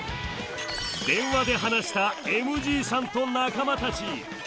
電話で話したＭＧさんと仲間たち。